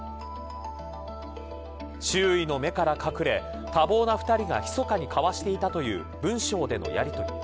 周囲の目から隠れ多忙の２人がひそかに交わしていたという文章でのやり取り。